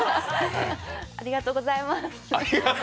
ありがとうございます。